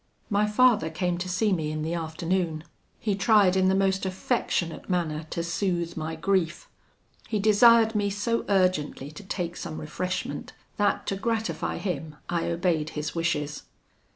"My father came to see me in the afternoon. He tried in the most affectionate manner, to soothe my grief. He desired me so urgently to take some refreshment, that, to gratify him, I obeyed his wishes.